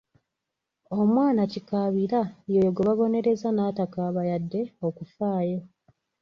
Omwana kikaabira y'oyo gwe babonereza n'atakaaba yadde okufaayo.